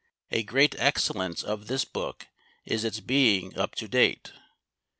A great excellence of this book is its being up to date.